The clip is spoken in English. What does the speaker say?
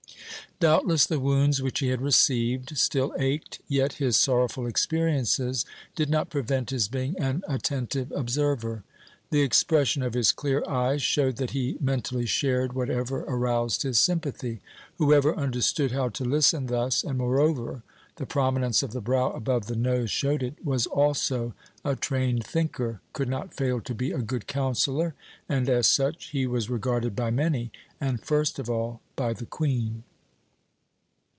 Doubtless the wounds which he had received still ached, yet his sorrowful experiences did not prevent his being an attentive observer. The expression of his clear eyes showed that he mentally shared whatever aroused his sympathy. Whoever understood how to listen thus, and, moreover the prominence of the brow above the nose showed it was also a trained thinker, could not fail to be a good counsellor, and as such he was regarded by many, and first of all by the Queen.